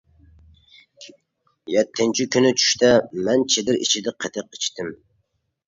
يەتتىنچى كۈنى چۈشتە مەن چېدىر ئىچىدە قېتىق ئىچتىم.